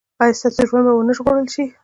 ایا ستاسو ژوند به و نه ژغورل شي؟